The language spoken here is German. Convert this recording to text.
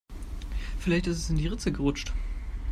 Vielleicht ist es in die Ritze gerutscht.